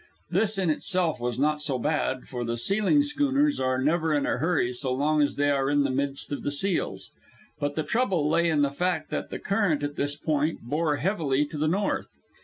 This in itself was not so bad, for the sealing schooners are never in a hurry so long as they are in the midst of the seals; but the trouble lay in the fact that the current at this point bore heavily to the north.